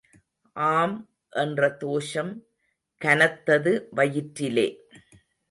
ஆம் என்ற தோஷம், கனத்தது வயிற்றிலே.